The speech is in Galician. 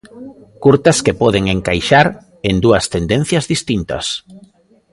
Curtas que poden encaixar en dúas tendencias distintas.